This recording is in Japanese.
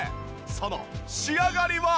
その仕上がりは？